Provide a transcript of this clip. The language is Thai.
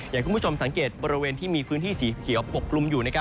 อย่างคุณผู้ชมสังเกตบริเวณที่มีพื้นที่สีเขียวปกกลุ่มอยู่